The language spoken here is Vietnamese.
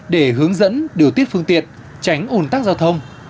để hướng dẫn điều tiết phương tiện tránh ồn tắc giao thông